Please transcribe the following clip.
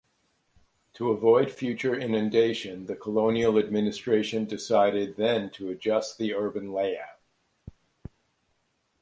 To avoid future inundation, the colonial administration decided then to adjust the urban layout.